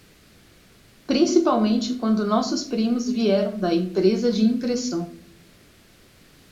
Principalmente quando nossos primos vieram da empresa de impressão.